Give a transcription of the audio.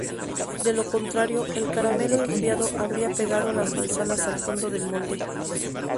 De lo contrario, el caramelo enfriado habrá pegado las manzanas al fondo del molde.